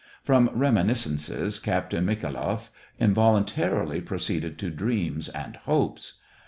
From reminiscences Captain Mikha'iloff invol untarily proceeded to dreams and hopes.